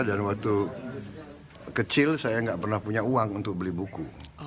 dan waktu kecil saya nggak pernah punya uang untuk beli buku